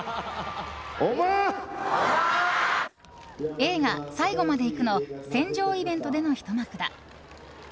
映画「最後まで行く」の船上イベントでのひと幕だ。